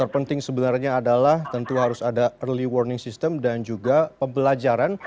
yang penting sebenarnya adalah tentu harus ada early warning system dan juga pembelajaran